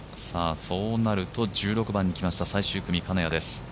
そうなると１６番に来ました最終組、金谷です。